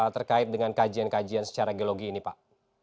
terkait dengan kajian kajian secara geologi ini pak